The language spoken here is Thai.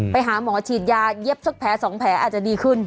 ไปหาหมอฉีดยาเย็บสักแผลสองแผลอาจจะดีขึ้น